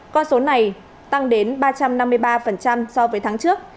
con số này tăng đến ba trăm năm mươi ba so với tháng trước